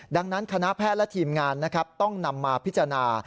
ดังนั้นคณะแพทย์และทีมงานนะครับต้องนำมาพิจารณา